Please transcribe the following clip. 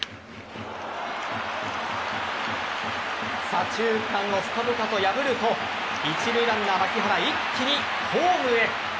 左中間を深々と破ると一塁ランナー・牧原一気にホームへ。